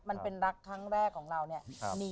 มันเป็นรักครั้งแรกของเราเนี่ย